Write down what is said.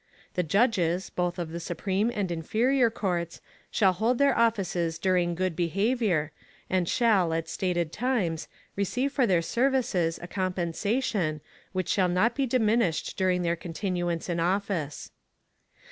The Judges, both of the Supreme and inferior Courts, shall hold their offices during good behavior, and shall, at stated times, receive for their services a compensation, which shall not be diminished during their continuance in office.